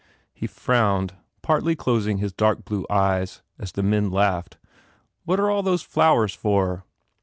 He frowned, partly closing his dark blue eyes, as the men laughed. "What are all those flowers for?"